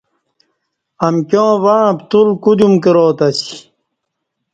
امکیاں وݩع پتول کُودیوم کرا تہ اسیہ۔